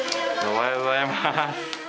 おはようございます。